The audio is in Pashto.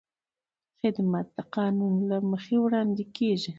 خدمت د قانون له مخې وړاندې کېږي.